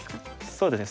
そうですね。